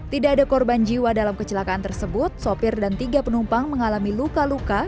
tidak ada korban jiwa dalam kecelakaan tersebut sopir dan tiga penumpang mengalami luka luka